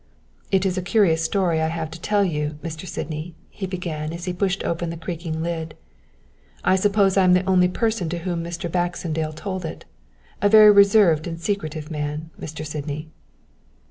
"It is a curious story that I have to tell you, Mr. Sydney," he began as he pushed open the creaking lid. "I suppose I'm the only person to whom Mr. Baxendale told it. A very reserved and secretive man, Mr. Sydney."